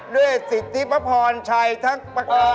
ด้วยสิทธิพระพรชัยทั้งประกอบ